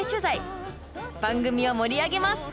番組を盛り上げます！